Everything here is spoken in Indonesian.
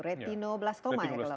retinoblastoma ya kalau tidak salah